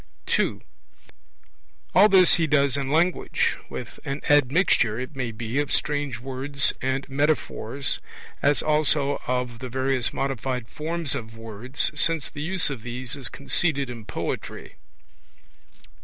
(2) All this he does in language, with an admixture, it may be, of strange words and metaphors, as also of the various modified forms of words, since the use of these is conceded in poetry.